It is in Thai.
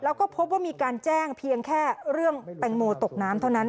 แล้วก็พบว่ามีการแจ้งเพียงแค่เรื่องแตงโมตกน้ำเท่านั้น